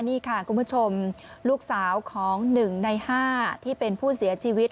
นี่ค่ะคุณผู้ชมลูกสาวของ๑ใน๕ที่เป็นผู้เสียชีวิต